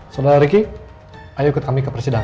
saudara ricky ayo ikut kami ke persidangan